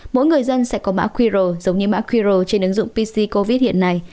mỗi người dân sẽ có mã quiro giống như mã quiro trên ứng dụng pc covid hiện nay